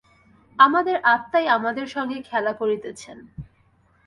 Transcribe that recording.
আমাদের আত্মাই আমাদের সঙ্গে খেলা করিতেছেন।